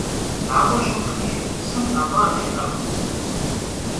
Aue şıxhuç'i, psım 'ef'ağ yi'ekhım!